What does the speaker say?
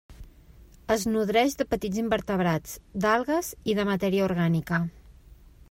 Es nodreix de petits invertebrats, d'algues i de matèria orgànica.